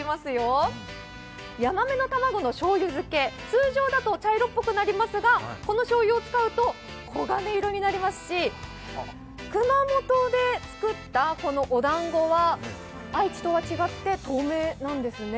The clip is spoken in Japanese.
やまめの卵のしょうゆ漬け、通常だと茶色っぽくなりますが、このしょうゆを使うと黄金色になりますし、熊本でつくったおだんごは愛知とは違って透明なんですね。